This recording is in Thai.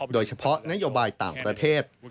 โดยเฉพาะนโยบายต่างประเทศ